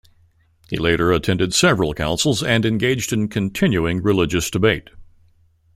He later attended several councils and engaged in continuing religious debate.